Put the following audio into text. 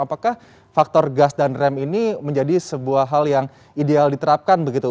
apakah faktor gas dan rem ini menjadi sebuah hal yang ideal diterapkan begitu